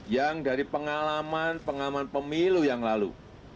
yang dari pengalaman pengalaman pemilu yang lalu